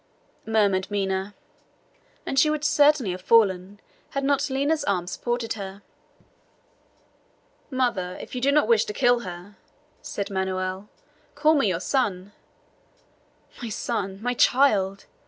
murmured Minha. And she would certainly have fallen had not Lina's arm supported her. "Mother, if you do not wish to kill her," said Manoel, "call me your son!" "My son! my child!"